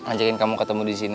ajakin kamu ketemu di sini